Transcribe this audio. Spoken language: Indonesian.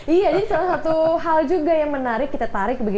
iya ini salah satu hal juga yang menarik kita tarik